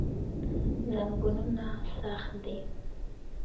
زنګونونه سخت دي.